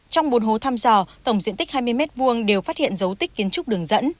trong bốn hố thăm dò tổng diện tích hai mươi m hai đều phát hiện dấu tích kiến trúc đường dẫn